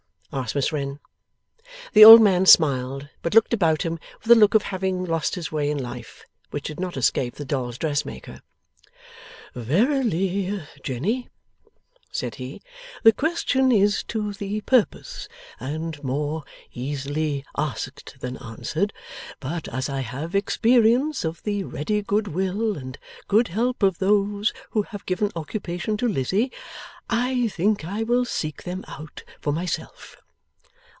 asked Miss Wren. The old man smiled, but looked about him with a look of having lost his way in life, which did not escape the dolls' dressmaker. 'Verily, Jenny,' said he, 'the question is to the purpose, and more easily asked than answered. But as I have experience of the ready goodwill and good help of those who have given occupation to Lizzie, I think I will seek them out for myself.